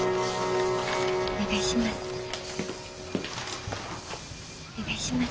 お願いします。